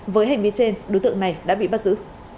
với hành vi trên đối tượng này đã bị bắt giữ